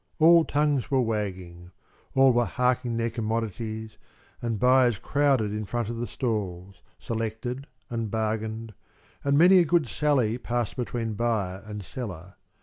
All tongues were wagging all were harking their commodities, and buyers crowded in front of the stalls, selected and bargained, and many a good sally passed between buyer and seller.